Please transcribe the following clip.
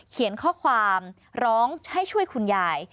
เขียนข้อความร้องให้ช่วยคุณยาย